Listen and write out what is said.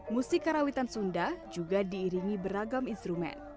musik karawitan sunda juga diiringi beragam instrumen